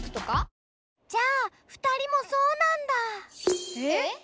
じゃあ２人もそうなんだ。え？